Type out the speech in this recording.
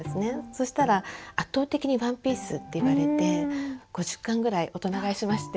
そしたら圧倒的に「ＯＮＥＰＩＥＣＥ」って言われて５０巻ぐらい大人買いしまして。